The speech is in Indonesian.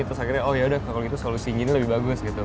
terus akhirnya oh ya udah kalau gitu solusi ini lebih bagus gitu